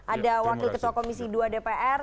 ada wakil ketua komisi dua dpr